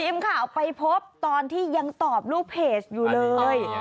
ทีมข่าวไปพบตอนที่ยังตอบลูกเพจอยู่เลย